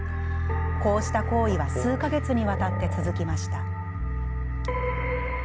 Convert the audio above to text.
こうした行為は数か月にわたって続きました。